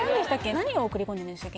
何を送り込んでるんでしたっけ？